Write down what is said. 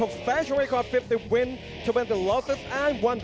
และมันได้ถูกต้องถูกต้องให้เกิดล้อเซอร์และรอด